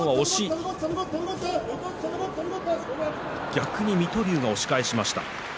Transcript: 逆に水戸龍が押し返しました。